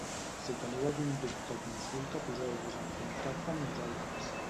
Si teniu algun dubte o consulta poseu-vos en contacte amb nosaltres.